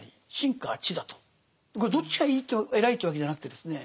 これどっちがいいと偉いというわけじゃなくてですね